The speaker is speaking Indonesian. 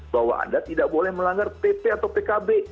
bahwa anda tidak boleh melanggar pp atau pkb